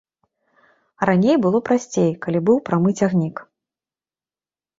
Раней было прасцей, калі быў прамы цягнік.